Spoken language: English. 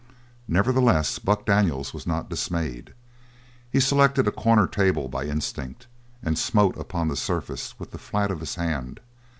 Nevertheless Buck Daniels was not dismayed. He selected a corner table by instinct and smote upon the surface with the flat of his hand.